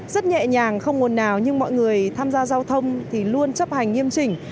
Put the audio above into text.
rất nhẹ nhàng không ngồn nào nhưng mọi người tham gia giao thông thì luôn chấp hành nghiêm chỉnh